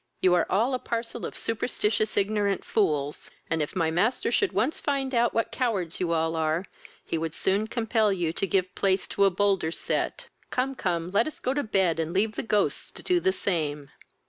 You are all a parcel of superstitious ignorant fools, and, if my master should once find out what cowards you all are, he would soon compel you to give place to a bolder set. Come, come, let us go to bed, and leave the ghosts to do the same."